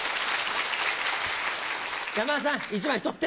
山田さん１枚取って。